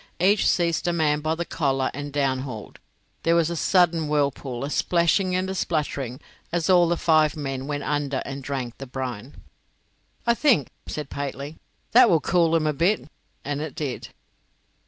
Each seized a man by the collar and downhauled. There was a sudden whirlpool, a splashing and a spluttering, as all the five men went under and drank the brine. "I think," said Pateley, "that will cool 'em a bit," and it did.